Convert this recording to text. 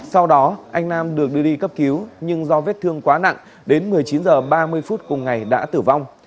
sau đó anh nam được đưa đi cấp cứu nhưng do vết thương quá nặng đến một mươi chín h ba mươi phút cùng ngày đã tử vong